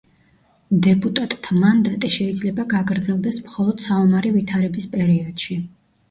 დეპუტატთა მანდატი შეიძლება გაგრძელდეს მხოლოდ საომარი ვითარების პერიოდში.